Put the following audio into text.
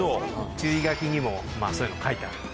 注意書きにもそういうの書いてある。